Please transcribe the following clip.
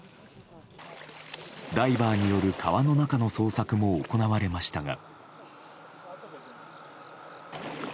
ダイバーによる川の中の捜索も行われましたが。